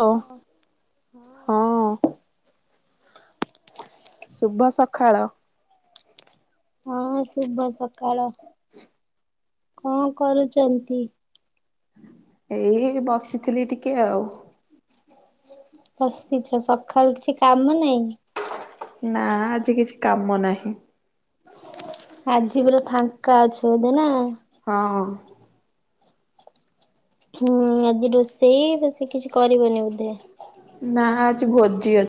Hello ହଁ ହଁ। ଶୁଭ ସଖାଳ। ହଁ ଶୁଭ ସକାଳ। କଁ କରୁଚନ୍ତି? ଏଇ ବସିଥିଲି ଟିକେ ଆଉ। ବସିଛ, ସଖାଳୁ କିଛି କାମ ନାଇଁ? ନାଁ ଆଜି କିଛି କାମ ନାହିଁ। ଆଜି ପୁରା ଫାଙ୍କା ଅଛ ବୋଧେ ନା? ହଁ। ହୁଁ ଆଜି ରୋଷେଇ ବେଶୀ କିଛି କରିବନି ବୋଧେ? ନା ଆଜି ଭୋଜି ଅ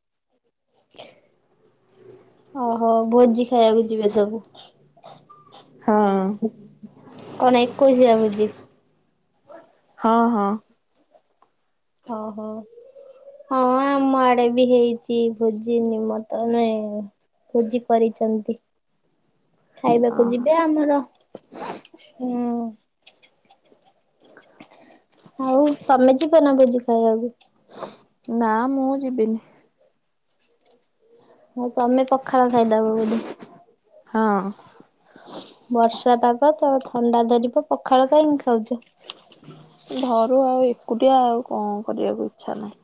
ଓହୋ ଭୋଜି ଖାଇବାକୁ ଯିବେ ସବୁ। ହଁ କଣ ଏକୋଉଶିଆ ଭୋଜି? ହଁ ହଁ। ଓହୋ। ହଁ ଆମ ଆଡ଼େବି ହେଇଚି ଭୋଜି ନିମତ ନୁହେଁ ଭୋଜି କରିଚନ୍ତି। ଖାଇବାକୁ ଓହୋ ଯିବେ ଆମର ହୁଁ। ଆଉ ତମେ ଯିବନା ଭୋଜି ଖାଇବାକୁ? ନା ମୁଁ ଯିବିନି। ହୁଁ ତମେ ପଖାଳ ଖାଇଦବ ବୋଧେ? ହଁ। ବର୍ଷା ପାଗତ ଥଣ୍ଡା ଧରିବ ପଖାଳ କାହିଁକି ଖାଉଚ? ଧରୁ ଆଉ ଏକୁଟିଆ ଆଉ କଁ କରିବାକୁ ଇଚ୍ଛା ନାହିଁ।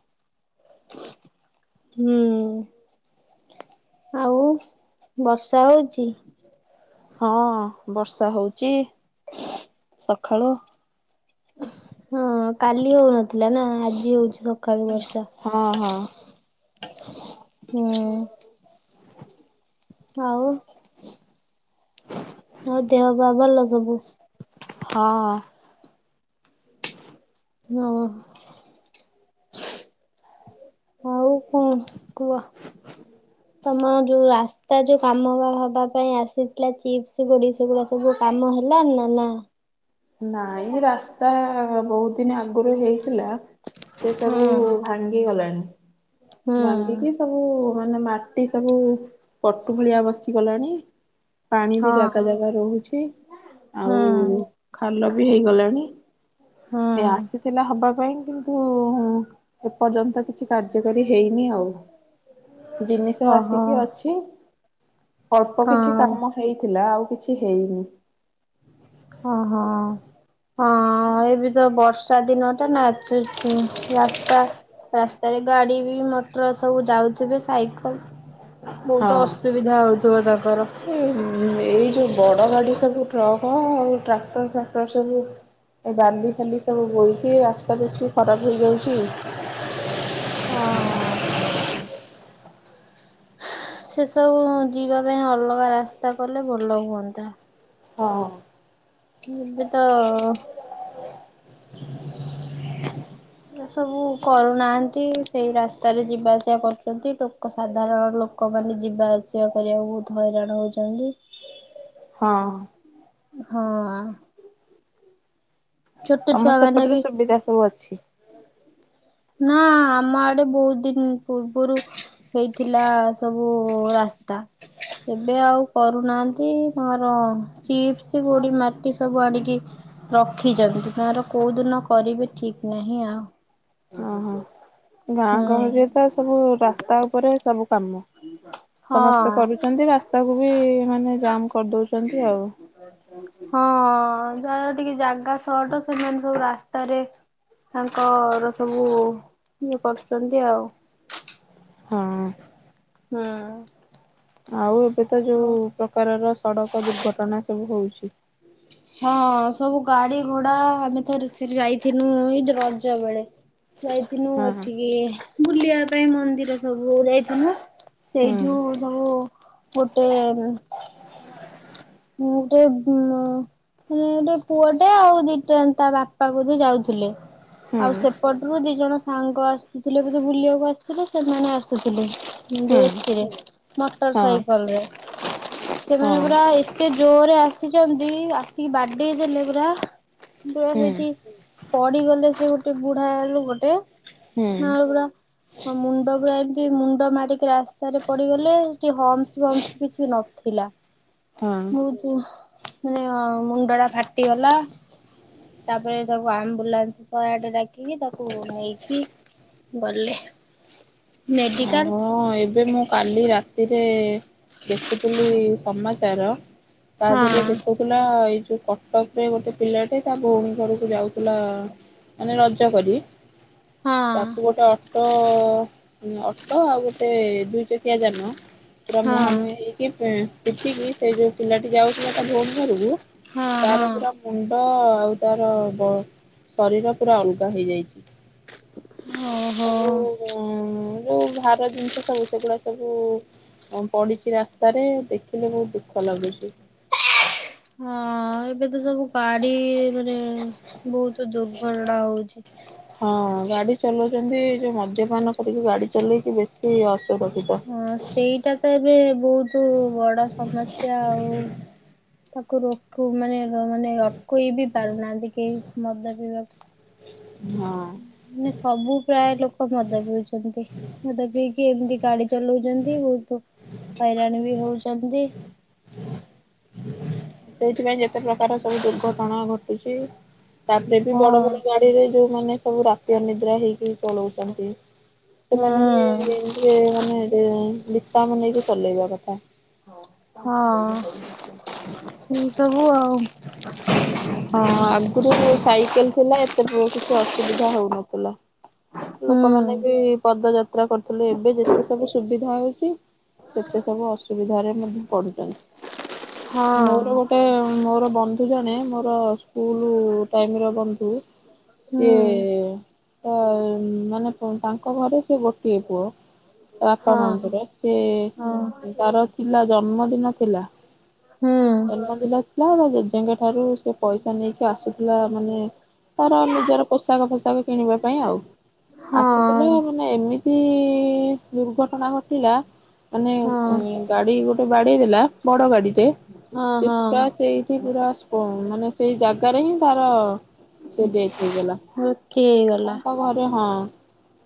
ହୁଁ ଆଉ ବର୍ଷା ହେଉଚି? ହଁ ବର୍ଷା ହଉଚି ସଖାଳୁ। ହଁ କାଲି ହଉନଥିଲାନା ଆଜି ହଉଚି ସକାଳୁ ବର୍ଷା। ହଁ ହଁ। ହୁଁ। ଆଉ ଆଉ ଦେହ ପା ଭଲ ସବୁ? ହଁ। ହଁ। ଆଉ କଣ କୁଅ? [inaudible] ତମ ଯୋଉ ରାସ୍ତା ଯୋଉ କାମ ହବା ପାଇଁ ଆସିଥିଲା ଚିପ୍ସ ଗୁଡ଼ି ସେଗୁଡ଼ା ଓହୋ କାମ ହେଲା ନା ନା? ନାଇ ରାସ୍ତା ବହୁତ ଦିନ ଆଗରୁ ହେଇଥିଲା ସେ ହୁଁ ସବୁ ଭାଙ୍ଗ୍ ଭାଙ୍ଗି ଗଲାଣି ହୁଁ ଭାଙ୍ଗିକି ସବୁ ମାନେ ମାଟି ସବୁ ପଟୁ ଭଳିଆ ବସିଗଲାଣି। ପାଣି ବି ହଁ ଜାଗା ଜାଗା ରହୁଛି ହଁ ଆଉ ଖାଲ ବି ହେଇଗଲାଣି ହଁ ଏ ଆସିଥିଲା ହବା ପାଇଁ କିନ୍ତୁ ଏପର୍ଯ୍ୟନ୍ତ କିଛି କାର୍ଯ୍ୟକାରୀ ହେଇନି ଆଉ। ଜିନିଷ ଓହୋ ଆସିକି ଅଛି। ଅଳ୍ପ କିଛି ହଁ। କାମ ହେଇଥିଲା ଆଉ କିଛି ହେଇନି। ଓହୋ ହଁ ଏବେ ତ ବର୍ଷା ଦିନଟା ନା [unintelligible] ରାସ୍ତା ରାସ୍ତାରେ ଗାଡି ବି ମଟର ସବୁ ଯାଉଥିବେ ସାଇକେଲ। ବହୁତ ଅସୁବିଧା ହଉଥିବ ତାଙ୍କର। ହୁଂ ଏଇ ଯୋଉ ବଡ ଗାଡି ସବୁ ଟ୍ରକ ଆଉ ଟ୍ରାକ୍ଟର ଫାକ୍ଟର ସବୁ ଏ ବାଲି ଫାଲି ସବୁ ବୋଇକି ରାସ୍ତା ବେଶୀ ଖରାପ ହେଇଯାଉଛି। ହଁ। ସେସବୁ ଯିବା ପାଇଁ ଅଲଗା ରାସ୍ତା କଲେ ଭଲ ହୁଅନ୍ତା। ହଁ। ଏବେ ତ [inaudible] ଏ ସବୁ କରୁନାହାନ୍ତି ସେଇ ରାସ୍ତାରେ ଯିବା ଆସିବା କରୁଛନ୍ତି ଟୋ କ ସାଧାରଣ ଲୋକମାନେ ଯିବା ଆସିବା କରିବାକୁ ବହୁତ ହଇରାଣ ହଉଛନ୍ତି। ହଁ। ହଁ। ଛୋଟ ତମର ଛୁଆ ମାନେ ସେପଟରେ ବି ସୁବିଧା ସବୁ ଅଛି। ନା ଆମ ଆଡେ ବହୁତ ଦିନ ପୂର୍ବରୁ ହେଇଥିଲା ସବୁ ରାସ୍ତା। ଏବେ ଆଉ କରୁନାହାନ୍ତି ତାଙ୍କର ଚିପ୍ସ ଗୋଡି ମାଟି ସବୁ ଆଣିକି ରଖିଛନ୍ତି ତାଙ୍କର କୋଉ ଦିନ କରିବେ ଠିକ ନାହିଁ ଆଉ। ଓହୋ। ଗାଁ ହୁଁ ଗହଳିରେ ତ ସବୁ ରାସ୍ତା ଉପରେ ସବୁ କାମ। ସମସ୍ତେ ହଁ। କରୁଛନ୍ତି ରାସ୍ତାକୁ ବି ମାନେ ଜାମ କରିଦଉଛନ୍ତି ଆଉ। [unintelligible] ହଁ ଯାହାର ଟିକେ ଜାଗା ସଟ ସେମାନେ ସବୁ ରାସ୍ତାରେ ତାଙ୍କର ସବୁ ଇଏ କରୁଛନ୍ତି ଆଉ। ହଁ। ହୁଁ। ଆଉ ଏବେ ତ ଯୋଉ ଆଉ ପ୍ରକାରର ସଡକ ଦୁର୍ଘଟଣା ସବୁ ହଉଛି। ହଁ ସବୁ ଗାଡି ଘୋଡା ଆମେ ଥରେ ଯାଇଥିନୁ ଏଇ ରଜ ବେଳେ। ଯାଇଥିନୁ ହଁ ହଁ ଏଠିକି ବୁଲିବା ପାଇଁ ମନ୍ଦିର ସବୁ ଯାଇଥିନୁ। ସେଇଠୁ ସବୁ ଗୋଟେ ମୁଁ ଗୋଟେ ମାନେ ଗୋଟେ ପୁଅ ଟେ ଆଉ ଦିଟା ତା ବାପା ବୋଧେ ଯାଉଥିଲେ। ହୁଁ ଆଉ ସେପଟରୁ ଦି ଜଣ ସାଙ୍ଗ ଆସୁଥିଲେ ବୋଧେ ବୁଲିବାକୁ ଆସିଥିଲେ ସେମାନେ ଆସୁଥିଲେ। ଯୋ ହୁଁ ଏଥିରେ ମୋଟର ହୁଁ ହଁ ସାଇକେଲ ରେ ହଁ ସେମାନେ ପୁରା ଏତେ ଜୋରେ ଆସିଛନ୍ତି ଆସିକି ବାଡି ଦେଲେ ପୁରା ପୁରା ହୁଁ ସେଠି ପଡିଗଲେ ସେ ଗୋଟେ ବୁଢା ଲୋକ ଟେ। ହୁଁ ନାଳଗଡ଼ା। ହଁ ମୁଣ୍ଡ କୁ ଏମିତି ମୁଣ୍ଡ ମାରିକି ରାସ୍ତାରେ ପଡିଗଲେ ସେଠି ହମସ୍ ଫମସ୍ କିଛି ନଥିଲା। ହଁ। ବହୁତ ମାନେ ମୁଣ୍ଡ ଟା ଫାଟିଗଲା। ତାପରେ ତାକୁ ଆମ୍ବୁଲାନ୍ସ ଶହେ ଆଠ ଡାକିକି ତାକୁ ନେଇକି। ଗଲେ ମେଡିକାଲ। ହଁ ଏବେ ମୁଁ କାଲି ରାତିରେ ଦେଖୁଥିଲି ସମାଚାର। ହଁ ତାଧରେ ଦେଖଉ ଥିଲା ଏଇ ଯୋଉ କଟକ ରେ ଗୋଟେ ପିଲାଟେ ତା ଭଉଣୀ ଘରକୁ ଯାଉଥିଲା। ମାନେ ରଜ କରି ହଁ ତାକୁ ଗୋଟେ ଅଟୋ ହିଁ ଅଟୋ ଆଉ ଗୋ ଟେ ଦୁଇ ଚକିଆ ଯାନ ପୁରା ହଁ ମୁହାଁମୁହିଁ ହେଇକି। ପିଟିକି ସେ ଯୋଉ ପିଲାଟି ଯାଉଥିଲା ତା ଭୋଉୀ ଘରକୁ ହଁ ହଁ ତାର ପୁରା ମୁଣ୍ଡ ଆଉ। ତାର ଶରୀର ପୁରା ଅଲଗା ହେଇଯାଇଛି ଓହୋ। ସବୁ। ହୁଁ ଯୋଉ ଭାର ଜିନିଷ। ସବୁ ସେଗୁଡା ସବୁ ପଡିଛି ରାସ୍ତାରେ ଦେଖିଲେ ବହୁତ ଦୁଃଖ ଲାଗୁଛି। ହଁ ଏବେ ତ ସବୁ ଗାଡି ମାନେ ବହୁତ ଦୁର୍ଘଟଣା ହଉଛି। ହଁ ଗାଡି ଚଲାଉଛନ୍ତି ଯୋଉ ମଦ୍ୟପାନ କରିକି ଗାଡି ଚଲେଇକି ବେଶୀ ଅସୁରକ୍ଷିତ। ହଁ ସେଇଟା ତ ଏବେ ବହୁତ ବଡ ସମସ୍ୟା ଆଉ। ତାକୁ ରଖୁ ମାନେ ମାନେ ଅଟକେଇ ବି ପାରୁନାହାନ୍ତି କେହି ମଦା ପିଇବାକୁ ହଁ ମାନେ ସବୁ ପ୍ରାୟ ଲୋକ ଲୋକ ମଦ ପିଇଉଛନ୍ତି ମଦ ପିଇକି ଏମିତି ଗାଡି ଚଲାଉଛନ୍ତି ବହୁ ହଇରାଣ ବି ହଉଛନ୍ତି ସେଇଥିପାଇଁ ଯେତେ ପ୍ରକାର ସବୁ ଦୁର୍ଘଟଣା ଘଟୁଛି ରାତିରେ ବି ହଁ ବଡ ବଡ ଗାଡିରେ ଯୋଉମାନେ ସବୁ ରାତି ଅନିଦ୍ରା ହେଇକି ଚଳଉଛନ୍ତି ହୁଁ। ସେମାନେ ବି ଏମିତିରେ ମାନେ ବିଶ୍ରାମ ନେଇକି ଚଲେଇବା କଥା। ହଁ ଏ ସବୁ ଆଉ ହଁ ଆଗରୁ ସବୁ ସାଇକେଲ ଥିଲା ଏତେ କିଛି ଅସୁବିଧା ହଉନଥିଲା ହୁଁ ଲୋକମାନେ ବି ପଦଯାତ୍ରା କରୁଥିଲୁ ଏବେ ଯେତେ ସବୁ ସୁବିଧା ହଉଛି ସେତେ ସବୁ ଅସୁବିଧାରେ ମଧ୍ୟ ପଢୁଛନ୍ତି ହଁ। ମୋର ଗୋଟେ ମୋର ବନ୍ଧୁ ଜଣେ ମୋର ସ୍କୁଲ ଟାଇମ ର ବନ୍ଧୁ ହୁଁ ସିଏ ତ ମାନେ ତାଙ୍କ ଘରେ ସେ ଗୋଟିଏ ପୁଅ ତା ବାପା ହଁ ମାଙ୍କର ସେ ହଁ ତାର ଥିଲା ଜନ୍ମଦିନ ଥିଲା ହୁଁ ଜନ୍ମଦିଲ ଥିଲା ତା ଜେଜେଙ୍କେ ଠାରୁ ସେ ପଇସା ନେଇକି ଆସୁଥିଲା ମାନେ ତାର ନିଜର ପୋଷାକ ଫୋଷାକ କିଣିବା ପାଇଁ ଆଉ ଆସୁଥିଲା ହଁ। ମାନେ ଏମିତି ଦୁର୍ଘଟଣା ଘଟିଲା ମାନେ ହଁ ହଁ ଗାଡି ଗୋଟେ ବାଡ଼େଇ ଦେଲା ବଡ ଗାଡିଟେ ସେ ହଁ ପୁରା ସେଇ ପୁରା ସ୍ପ ମାନେ ସେଇ ଜାଗାରେ ହିଁ ତାର ସେ ଡେଟ ହେଇଗଲା ର ହେଇଗଲା [inaudible] ତାଙ୍କ ଘରେ ହଁ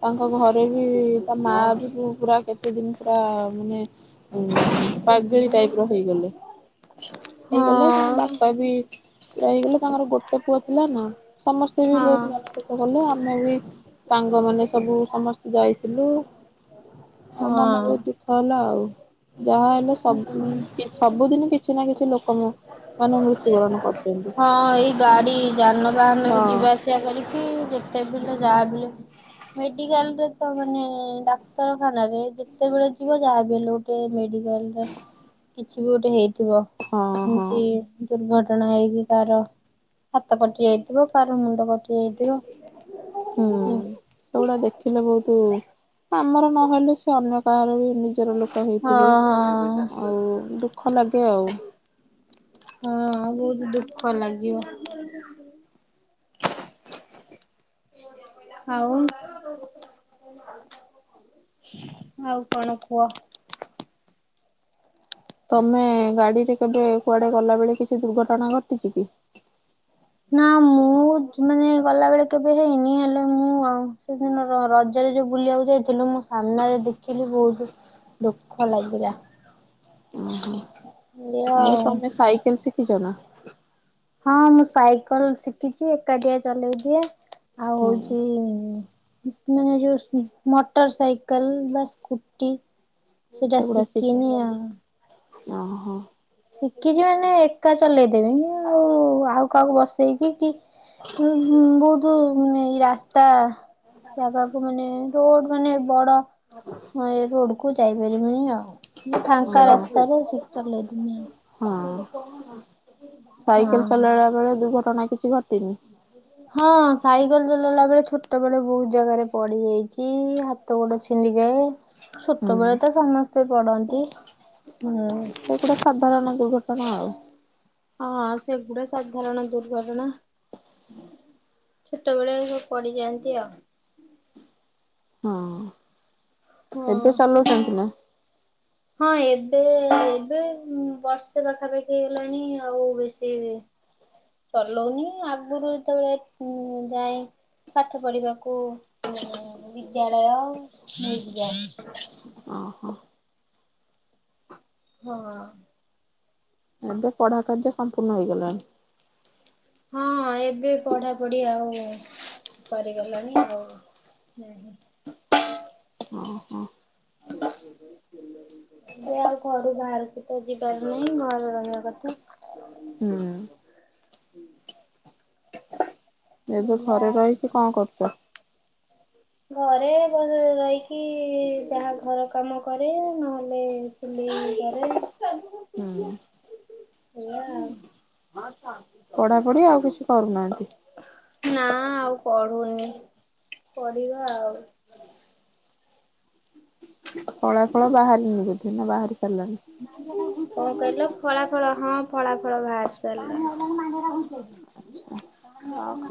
ତାଙ୍କ ଘରେ ବି ତା ମା ବି ପୁରା କେତେ ଏତେ ଦିନ ପୁରା ମାନେ ପାଗଳି ଟାଇପ ର ହେଇଗଲେ ହେଇଗଲେ ହଁ ତଥାବି ହେଇଗଲେ ତାଙ୍କର ଗୋଟେ ପୁଅ ଥିଲା ନା ସମସ୍ତେ ବି ହଁ ବହୁତ ମନେ ଥିଲେ ଗଲେ ଆମେ ବି ସାଙ୍ଗମାନେ ସବୁ ସମସ୍ତେ ଯାଇଥିଲୁ ଆଉ ମନ ହଁ। ବହୁତ୍ ଦୁଃଖ ହେଲା ଆଉ ଯାହା ହେଲେ ସବୁ ସବୁଦିନ କିଛି ନା କିଛି ଲୋକ ମ ମାନେ ମୃତ୍ୟୁବରଣ କର ହଁ ଏଇ ଗାଡି ଯାନବାହାନ ହଁ ରେ ଯିବା ଆସିବା କରିକି ଯେତେ ବି ତ ଯାହାବି ହେଲେ ମେଡିକାଲ ରେ ତ ମାନେ ଡାକ୍ତରଖାନା ରେ ଯେତେବେଳେ ଯିବ ଯାହାବି ହେଲେ ଗୋଟେ ମେଡି ଟେନ୍ ରେ କିଛି ବି ଗୋଟେ ହେଇଥିବ ହଁ ହଁ ଏମିତି ଦୁର୍ଘଟଣା ହେଇକି କାହାର ହାତ କଟି ଯାଇଥିବ କାହାର ମୁଣ୍ଡ କଟି ଯାଇଥିବ ହୁଁ ହଁ ସେଗୁଡା ଦେଖିଲେ ବହୁତ ଆମର ନହେଲେ ସେ ଅନ୍ୟ କାହାର ବି ନିଜର ଲୋକ ହଁ ହେଇଥିବେ ଆଉ ଦୁଃଖ ଲାଗେ ଆଉ ହଁ ବହୁତ ଦୁଃଖ ଲାଗିବ ଆଉ ଆଉ କଣ କୁହ ତମେ ଗାଡିରେ କେବେ କୁଆଡେ ଗଲା ବେଳେ କିଛି ଦୁର୍ଘଟଣା ଘଟିଛି କି? ନା ମୁଁ ମୁଁ ମାନେ ଗଲାବେଳେ କେବେ ହେଇନି ହେଲେ ମୁଁ ଆଉ ସେଦିନ ର ରଜରେ ଯୋଉଁ ବୁଲିବାକୁ ଯାଇଥିଲୁ ମୁଁ ସାମ୍ନାରେ ଦେଖିଲି ବହୁତ ହଁ ଦୁଃଖ ଲାଗିଲା ଏଇଆ ଆଉ। କେନ୍ ଶିକିଚ ନା? ହଁ ମୁଁ ସାଇକେଲ ଶିଖିଛି ଏକାଟିଆ ଚଲେଇ ଦିଏ। ଆଉ ହଁ ହଉଛି ମାନେ ଯୋଉ ମୋଟର ସାଇକଲ ବା ସ୍କୁଟି। ସେଟା ସେଗୁଡା ଶିଖି ଶିଖିନି ଆଉ। ଓହୋ। ଶିଖିଛି ମାନେ ଏକା ଚଲେଇଦେବି ମୁଁ ଆଉ ଆଉ କାକୁ ବସେଇକି କି ବହୁତ ଏଇ ରାସ୍ତା ଜାଗାକୁ ମାନେ ରୋଡ ମାନେ ବଡ ରୋଡ କୁ ଯାଇ ା [unintelligible] ର ଆଉ ଫାଙ୍କା ହଁ ରାସ୍ତାରେ ଶୀ ଚଳେଇ ଦେବି। ହଁ ସାଇକେଲ ହଁ। ଚଲେଇଲା ବେଳେ ଦୁର୍ଘଟଣା କିଛି ଘଟିନି? ହଁ ସାଇକେଲ ଚଲେଇଲା ବେଳେ ଛୋଟ ବେଳେ ବହୁତ ଜାଗାରେ ପଡି ଯାଇଚି। ହାତ ଗୋଟେ ଛିଣ୍ଡିଯାଏ ଛୋଟବେଳେ ହୁଁ। ତ ସମସ୍ତେ ପଡନ୍ତି ହୁଁ। ସେଗୁଡା ସାଧାରଣ ଦୁର୍ଘଟଣା ଆଉ। ହଁ ସେଗୁଡା ସାଧାରଣ ଦୁର୍ଘଟଣା। ଛୋଟ ବେଳେ ସବୁ ପଡିଯାଆନ୍ତି ଆଉ। ହଁ ହଁ। ଏବେ ଚାଲୁଚନ୍ତି ନା? ହଁ ଏବେ ଏବେ ବର୍ଷେ ପାଖାପାଖି ହେଲାଣି ଆଉ ବେଶୀ ଚଲଉନି ଆଗରୁ ଯେତେବେଳେ ଯାଏ। ପାଠ ପଢିବାକୁ ମାନେ ବିଦ୍ୟାଳୟ ନେଇକି ଯାଏ। ଓହୋ ହଁ ଏବେ ପଢା କାର୍ଯ୍ୟ ସମ୍ପୂର୍ଣ୍ଣ ହେଇଗଲାଣି। ହଁ ଏବେ ପଢାପଢି ଆଉ ସରିଗଲାଣି ଆଉ। ହୁଁ। ଓ ହୋ। ଯେ ଆଉ ଘରୁ ବାହାରକୁ ତ ଯିବାର ନାହିଁ ଘରେ ରହିବା କଥା। ହୁଁ। ଏବେ ଏଇଆ ଘରେ ରହିକି କଣ କରୁଛ? ଘରେ ରହିକି ଯାହା ଘର କାମ କରେ ନହେଲେ ଚୁଲି ପାରେ ହୁଁ ଉଆ ହଁ ଶା ପଢ଼ା ପଢ଼ି ଆଉ କିଛି କରୁନାହାନ୍ତି? ନା ଆଉ ପଢ଼ୁନି ପଢ଼ିବା ଆଉ। ଫଳା ଫଳ ବାହାରିନି ବୋଧେ ନା ବାହାରି ସାରିଲାଣି? ଫଳାଫଳ ହଁ ଫଳାଫଳ ବାହାରିଚି। ପାଣି ଆଇଲାଣି ମାଣ୍ଡିଆଟା ଘୁଂଚେଇ ଦେ ଆଚ୍ଛା। ରଖ।